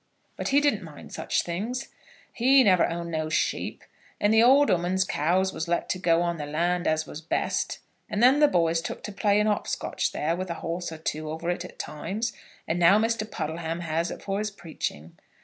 "But he didn't mind such things." "He never owned no sheep; and the old 'oomen's cows was let to go on the land, as was best, and then the boys took to playing hopskotch there, with a horse or two over it at times, and now Mr. Puddleham has it for his preaching.